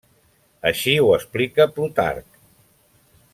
Així ho explica Plutarc.